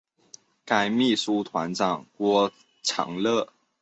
该团秘书长郭长乐。